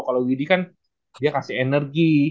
kalau widhi kan dia kasih energi